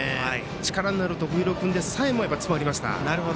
力のある徳弘君でさえも詰まりました。